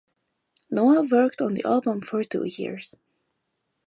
Noah worked on the album for two years.